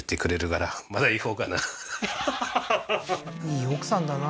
いい奥さんだな